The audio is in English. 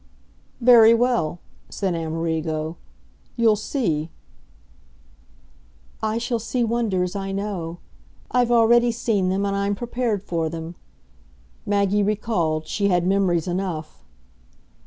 "Very well," said Amerigo, "you'll see." "I shall see wonders, I know. I've already seen them, and I'm prepared for them." Maggie recalled she had memories enough.